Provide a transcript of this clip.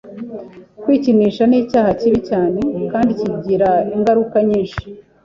Kwikinisha ni icyaha kibi cyane kandi kigira ingaruka nyinshi